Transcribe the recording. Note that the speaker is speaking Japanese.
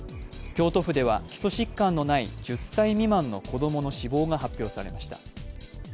京都府では基礎疾患のない１０歳未満の子供の死亡が発表されました。